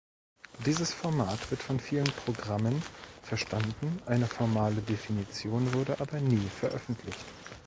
Dieses Format wird von vielen Programmen verstanden, eine formale Definition wurde aber nie veröffentlicht.